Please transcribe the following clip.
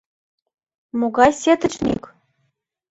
Могай сетычник?